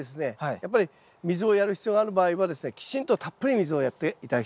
やっぱり水をやる必要がある場合はきちんとたっぷり水をやって頂きたいと思います。